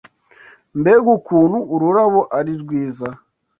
Mbega ukuntu ururabo ari rwiza!